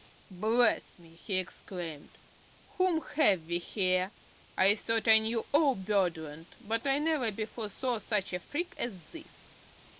"Bless me!" he exclaimed, "whom have we here? I thought I knew all Birdland, but I never before saw such a freak as this!"